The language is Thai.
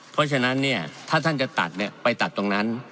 เพราะฉะนั้นเนี่ยถ้าท่านจะตัดไปตัดตรงนั้น